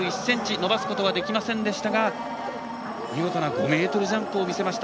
伸ばすことはできませんでしたが見事な５ｍジャンプを見せました。